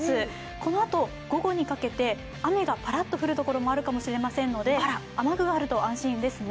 このあと午後にかけて雨がパラッと降るところもあるかもしれませんので雨具があると安心ですね。